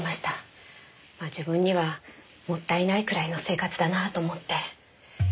自分にはもったいないくらいの生活だなと思って。